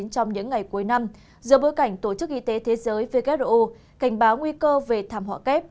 trong những ngày cuối năm giữa bối cảnh tổ chức y tế thế giới who cảnh báo nguy cơ về thảm họa kép